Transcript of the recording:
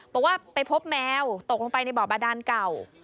บอกว่าไปพบแมวตกลงไปในบ่อบาดานเก่า